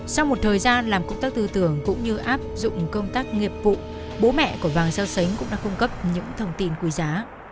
sau một thời gian làm công tác tư tưởng cũng như áp dụng công tác nghiệp vụ bố mẹ của vàng xeo xánh cũng đã cung cấp những thông tin quý giá